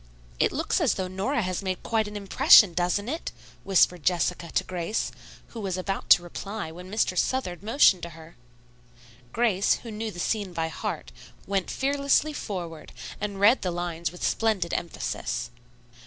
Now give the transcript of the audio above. "It looks as though Nora had made an impression, doesn't it!" whispered Jessica to Grace, who was about to reply when Mr. Southard motioned to her. Grace, who knew the scene by heart, went fearlessly forward, and read the lines with splendid emphasis.